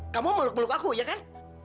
kamu meluk meluk aku ya kan